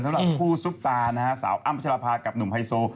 สำหรับผู้ซุกตาสาวอ้ำเจราภาคกับหนุ่มไฮโซ